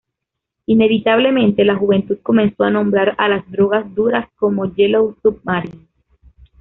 Inevitablemente, la juventud comenzó a nombrar a las drogas duras como "Yellow Submarine".